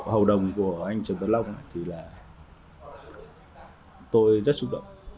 hầu đồng của anh trần tuấn long thì là tôi rất xúc động